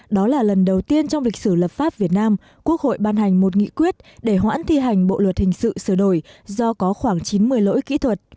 đó là lần đầu tiên trong lịch sử lập pháp việt nam quốc hội ban hành một nghị quyết để hoãn thi hành bộ luật hình sự sửa đổi do có khoảng chín mươi lỗi kỹ thuật